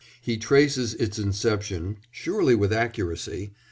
He traces its inception (surely with accuracy!)